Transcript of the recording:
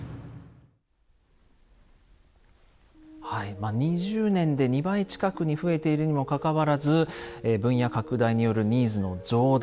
まあ２０年で２倍近くに増えているにもかかわらず分野拡大によるニーズの増大